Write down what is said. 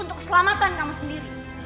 untuk selamatkan kamu sendiri